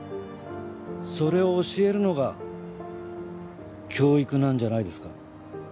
それを教えるのが教育なんじゃないですか？